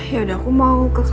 ya udah aku mau ke kamar ya